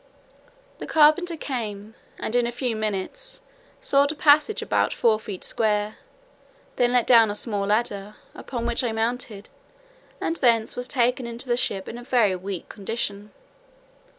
The carpenter came, and in a few minutes sawed a passage about four feet square, then let down a small ladder, upon which I mounted, and thence was taken into the ship in a very weak condition.